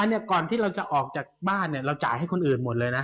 เนี่ยก่อนที่เราจะออกจากบ้านเนี่ยเราจ่ายให้คนอื่นหมดเลยนะ